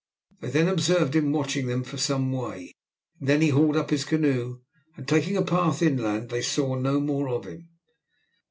They observed him watching them for some way; then he hauled up his canoe, and taking a path inland, they saw no more of him.